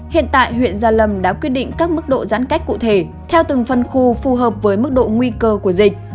hiện tại huyện gia lâm đã quyết định các mức độ giãn cách cụ thể theo từng phân khu phù hợp với mức độ nguy cơ của dịch